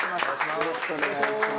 よろしくお願いします。